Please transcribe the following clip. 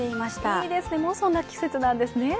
いいですね、もうそんな季節なんですね。